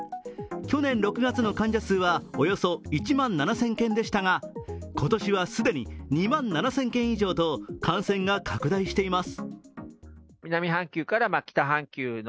去年６月の患者数はおよそ１万７０００件でしたが今年は既に２万７０００件以上と感染が拡大しています。